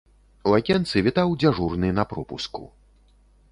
У акенцы вітаў дзяжурны на пропуску.